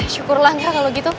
syukurlah nggak kalo gitu